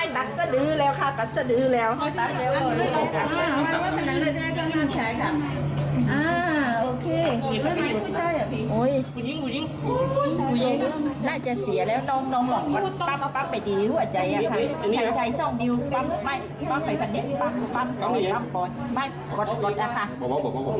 ตัดเร็วค่ะตัดสะดือแล้ว